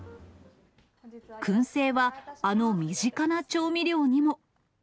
くん製はあの身近な調味料にも。